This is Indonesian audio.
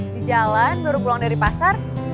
di jalan baru pulang dari pasar